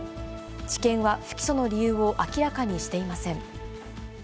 地検は不起訴の理由を明らかにしていません。